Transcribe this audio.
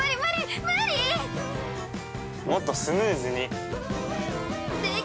もっとスムーズに。